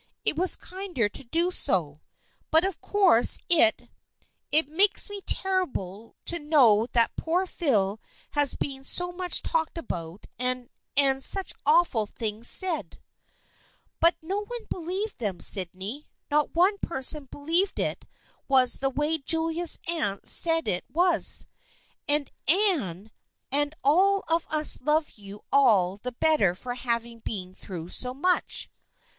It was kinder to do so, but of course it — it — makes me feel terribly to know that poor Phil has been so much talked about and — and — such awful things said." THE FKIENDSHIP OF ANNE 259 " But no one believed them, Sydney. Not one person believed it was the way Julia's aunt said it was. And Anne and all of us love you all the better for having been through so much."